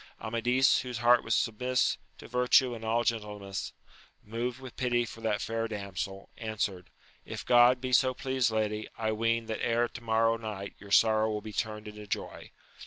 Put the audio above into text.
Amadis whose heart was submiss to virtue and all gentleness, moved with pity for that fair damsel, answered. If God be so pleased lady, I ween that ere to morrow night your sorrow will be turned into joy.